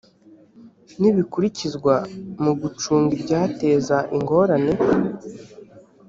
n ibikurikizwa mu gucunga ibyateza ingorane